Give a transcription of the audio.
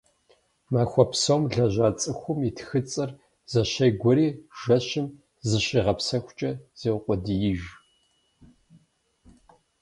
Махуэ псом лэжьа цӏыхум и тхыцӏэр зэщегуэри, жэщым, зыщигъэпсэхукӏэ, зеукъуэдииж.